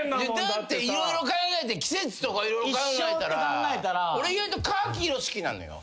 だって色々考えて季節とか色々考えたら俺意外とカーキ色好きなのよ。